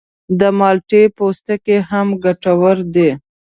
د مالټې پوستکی هم ګټور دی.